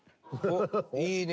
いいね！